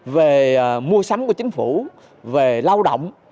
về mua sắm của chính phủ về lao động